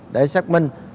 để xác minh